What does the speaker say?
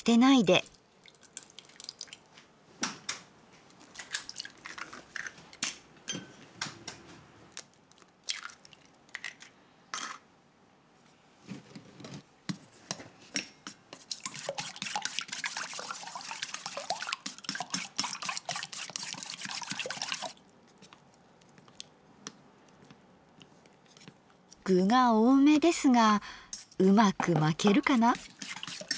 具が多めですがうまく巻けるかな？